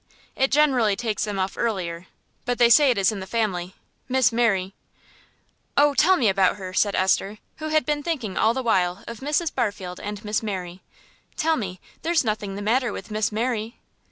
It generally takes them off earlier; but they say it is in the family. Miss May " "Oh, tell me about her," said Esther, who had been thinking all the while of Mrs. Barfield and of Miss Mary. "Tell me, there's nothing the matter with Miss Mary?"